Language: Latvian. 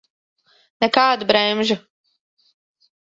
Nekādu bremžu.